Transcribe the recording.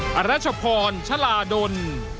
พระรัชพรชราดล